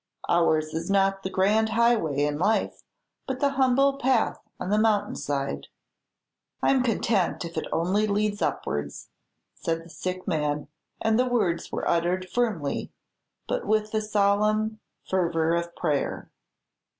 Ours is not the grand highway in life, but the humble path on the mountain side." "I'm content if it only lead upwards," said the sick man; and the words were uttered firmly, but with the solemn fervor of prayer.